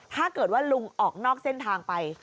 ถ้าเกิดว่าลุงออกนอกเส้นทางไป